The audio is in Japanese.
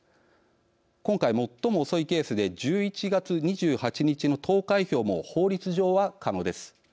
今回最も遅いケースで１１月２８日の投開票も法律上は可能です。